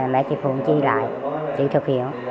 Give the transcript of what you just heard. mẹ chị phượng chia lại chị thực hiện